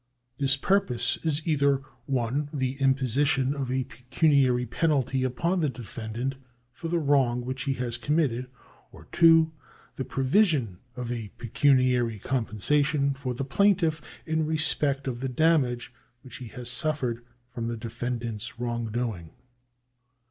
This pur pose is either (1) the imposition of a pecuniary penalty upon the defendant for the wrong which he has committed, or (2) the provision of pecuniary compensation for the plaintiff in respect of the damage which he has suffered from the defen dant's wrongdoing.